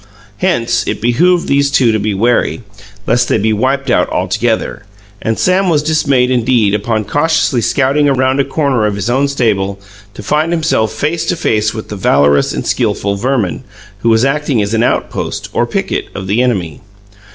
Hence, it behooved these two to be wary, lest they be wiped out altogether; and Sam was dismayed indeed, upon cautiously scouting round a corner of his own stable, to find himself face to face with the valorous and skilful Verman, who was acting as an outpost, or picket, of the enemy.